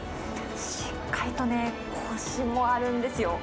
しっかりとね、こしもあるんですよ。